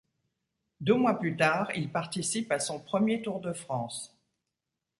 Deux mois plus tard, il participe à son premier Tour de France.